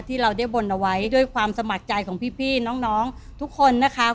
ที่เราได้บนเอาไว้ด้วยความสมัครใจของพี่น้องทุกคนนะคะ